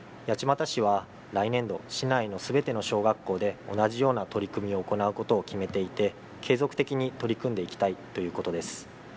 八街市は来年度市内のすべての小学校で同じような取り組みを行うことを決めていて継続的に取り組んでいきたいということです。